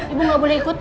ibu nggak boleh ikut